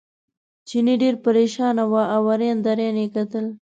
چیني ډېر پرېشانه و او اریان دریان یې کتل.